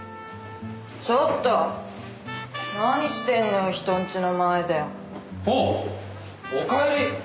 ちょっと何してんのよ人んちの前で。おぉお帰り！